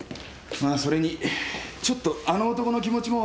それにちょっとあの男の気持ちも分かるな。